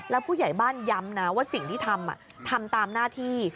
แล้วผู้ใหญ่บ้านย้ำนะว่าสิ่งที่ทำทำตามหน้าที่